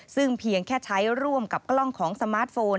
ซึ่งเพียงแค่ใช้ร่วมกับกล้องของสมาร์ทโฟน